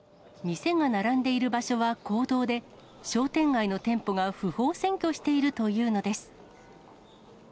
店が並んでいる場所は公道で、商店街の店舗が不法占拠しているというのです。